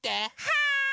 はい！